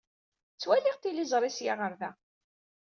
Ttwaliɣ tiliẓri ssya ɣer da.